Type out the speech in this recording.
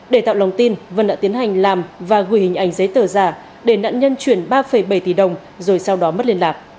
để tạo lòng tin vân đã tiến hành làm và gửi hình ảnh giấy tờ giả để nạn nhân chuyển ba bảy tỷ đồng rồi sau đó mất liên lạc